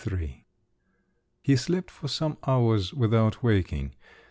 XXIII He slept for some hours without waking.